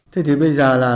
thế thì bây giờ là